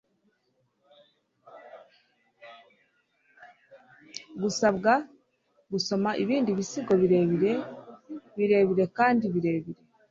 Gusabwa Gusoma Ibindi bisigo birebire birebire kandi birebire